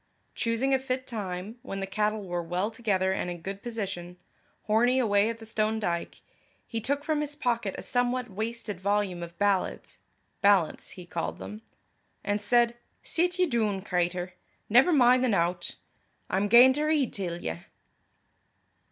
Choosing a fit time, when the cattle were well together and in good position, Hornie away at the stone dyke, he took from his pocket a somewhat wasted volume of ballads ballants, he called them and said, "Sit ye doon, cratur. Never min' the nowt. I'm gaein' to read till ye."